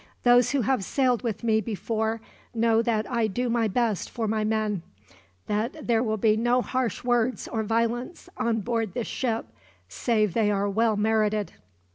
Those who have sailed with me before know that I do my best for my men, that there will be no harsh words or violence on board this ship, save they are well merited.